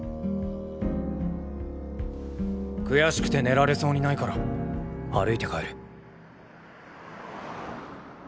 悔しくて寝られそうにないから歩いて帰る。